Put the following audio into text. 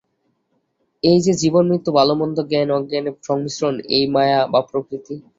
এই যে জীবন-মৃত্যু, ভাল-মন্দ, জ্ঞান-অজ্ঞানের সংমিশ্রণ, এই-ই মায়া বা প্রকৃতি।